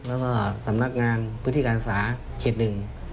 แล้วก็สำนักงานพื้นที่การอาศาสนิท๑